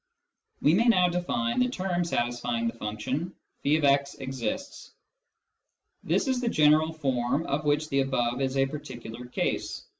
We may now define " the term satisfying the function <j>x exists." This is the general form of which the above is a par ticular case.